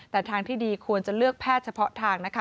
แต่ทางที่ดีควรจะเลือกแพทย์เฉพาะทางนะคะ